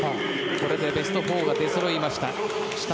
これでベスト４が出そろいました。